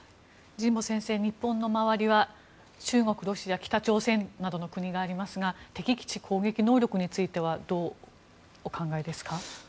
神保先生、日本の周りは中国、ロシア、北朝鮮などの国がありますが敵基地攻撃能力についてはどうお考えですか？